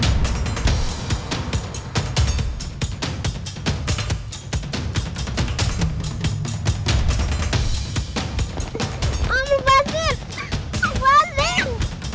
om dibantuin bantuin